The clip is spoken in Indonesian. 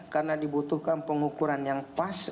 karena dibutuhkan pengukuran yang pas